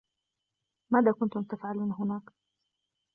ماذا كُنتم تفعلون هناك ؟